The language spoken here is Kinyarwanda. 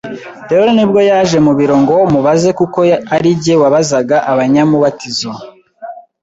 rero nibwo yaje mu biro ngo mubaze kuko ari njye wabazaga abanyamubatizo